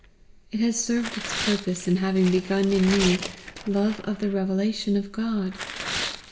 It has served its purpose in having begun in me love of the revelation of God.